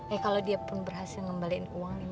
eh kalau dia pun berhasil ngembalikan uang lima m